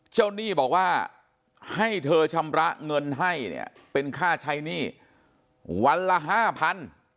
เจ้านี่บอกว่าให้เธอชำระเงินให้เป็นค่าใช้หนี้วันละ๕๐๐๐บาท